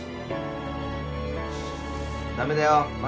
駄目だよ。